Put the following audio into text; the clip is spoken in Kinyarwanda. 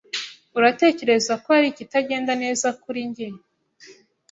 Uratekereza ko hari ikitagenda neza kuri njye?